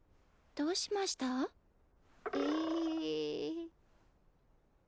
どうしました？え。